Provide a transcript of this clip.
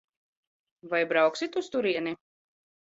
Vai brauksit uz turieni?